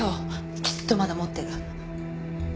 きっとまだ持ってる。